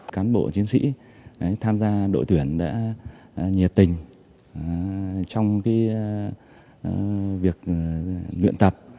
cán bộ chiến sĩ tham gia đội tuyển đã nhiệt tình trong việc luyện tập